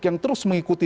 yang terus mengikuti